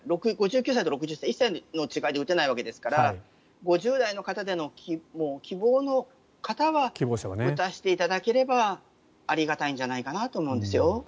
５９歳と６０歳１歳の違いで打てないわけですから５０代の方での希望の方は打たしていただければありがたいんじゃないかと思うんですよ。